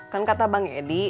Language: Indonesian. kan kata bang edi